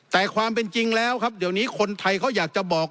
แต่ความเป็นจริงแล้วครับเดี๋ยวนี้คนไทยเขาอยากจะบอก